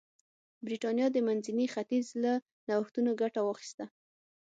برېټانیا د منځني ختیځ له نوښتونو ګټه واخیسته.